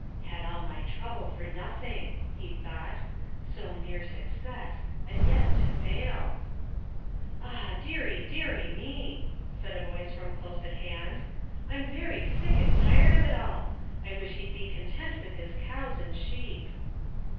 "Had all my trouble for nothing," he thought. "So near success, and yet to fail!" "Ah, deary deary me!" said a voice from close at hand, "I'm very sick and tired of it all. I wish he'd be content with his cows and sheep."